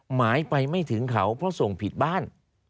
หมายไปไม่ถึงเขาเพราะส่งผิดบ้าน